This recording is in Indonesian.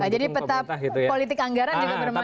jadi peta politik anggaran juga bermain